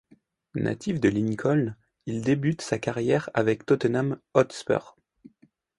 Natif de Lincoln, il débute sa carrière avec Tottenham Hotspur.